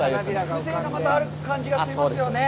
風情がまたある感じがしますよね。